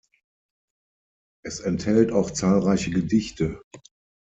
Es enthält auch zahlreiche Gedichte.